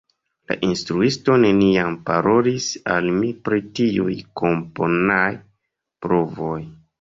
La instruisto neniam parolis al mi pri tiuj komponaj provoj.